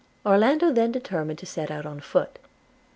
Orlando then determined to set out on foot.